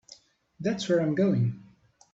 That's where I'm going.